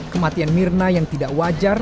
kematian mirna yang tidak wajar